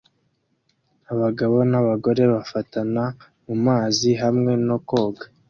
Abagabo n'abagore bafatana mu mazi hamwe no koga